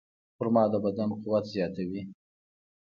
خرما د بدن قوت زیاتوي.